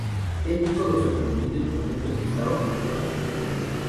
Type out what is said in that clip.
El dijo lo sorprendido y contento que estaba con su participación.